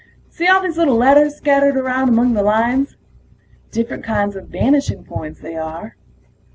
See all those little letters scattered around among the lines? Different kinds of vanishing points, they are.